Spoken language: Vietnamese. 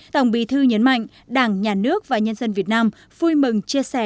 tổng bí thư nhấn mạnh đảng nhà nước và nhân dân việt nam vui mừng chia sẻ